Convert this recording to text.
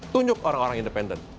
tunjuk orang orang independen